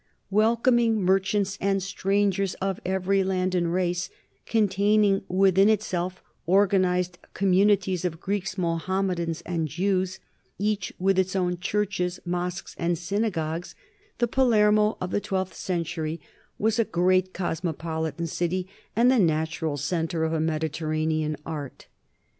Welcoming merchants and strangers of every land and race, containing within itself organized communi ties of Greeks, Mohammedans, and Jews, each with its own churches, mosques, or synagogues, the Palermo of the twelfth century was a great cosmopolitan city and the natural centre of a Mediterranean art.